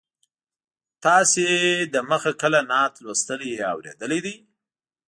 تاسو د مخه کله نعت لوستلی یا اورېدلی دی.